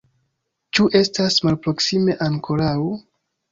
Ĉu estas malproksime ankoraŭ?